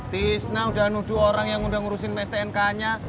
tisna udah nuju orang yang udah ngurusin stnk nya